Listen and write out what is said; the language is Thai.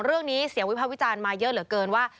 เรื่องนี้เสียงวิภาควิจารณ์มาเยอะเหลือเกินว่า